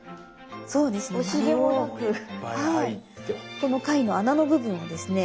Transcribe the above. この貝の穴の部分をですね